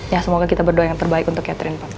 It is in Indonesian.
ya semoga kita berdoa yang terbaik untuk catherine pak